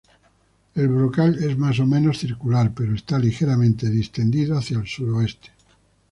El brocal es más o menos circular, pero está ligeramente distendido hacia el suroeste.